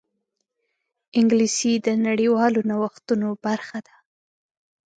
انګلیسي د نړیوالو نوښتونو برخه ده